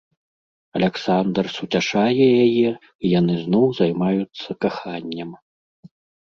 Аляксандр суцяшае яе, і яны зноў займаюцца каханнем.